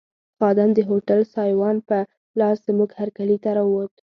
خادم د هوټل سایوان په لاس زموږ هرکلي ته راووت.